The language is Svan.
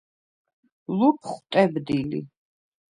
ლუფხუ̂ ტებდი ლი.